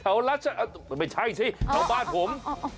เท่ารัชไม่ใช่สิเท่าบ้านผม